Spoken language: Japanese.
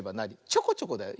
ちょこちょこだよ。